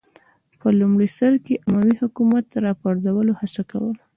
په لومړي سر کې اموي حکومت راپرځولو هڅه کوله